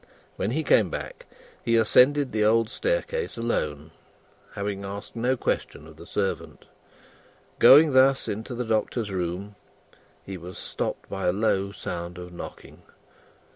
When he came back, he ascended the old staircase alone, having asked no question of the servant; going thus into the Doctor's rooms, he was stopped by a low sound of knocking.